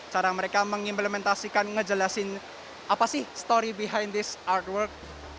cara mereka mengimplementasikan ngejelasin apa sih story behind this artwork